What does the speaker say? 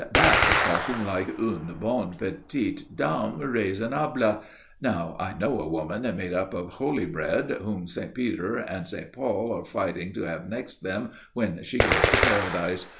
That is talking like une bonne petite dame raisonnable. Now, I know a woman made up of holy bread whom St. Paul and St. Peter are fighting to have next them when she goes to Paradise.